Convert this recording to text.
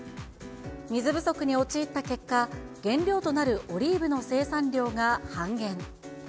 水不足に陥った結果、原料となるオリーブの生産量が半減。